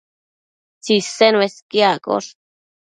Tsisen uesquiaccosh